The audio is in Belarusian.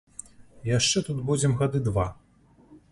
Яшчэ тут будзем гады два.